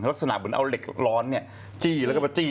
ลักษณะเหมือนเอาเล็กร้อนเนี่ยจี้